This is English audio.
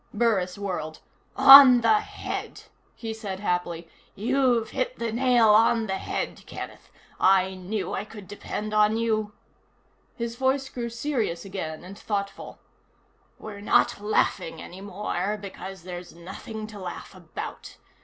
Burris whirled. "On the head!" he said happily. "You've hit the nail on the head, Kenneth. I knew I could depend on you." His voice grew serious again, and thoughtful. "We're not laughing any more because there's nothing to laugh about.